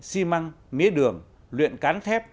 xi măng mía đường luyện cán thép